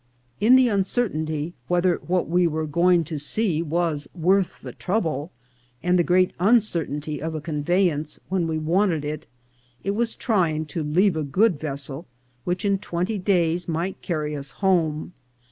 In the uncertainty whether what we were going to see was worth the trouble, and the greater uncertainty of a conveyance when we wanted it, it was trying to leave a good vessel which in twenty days might carry us home.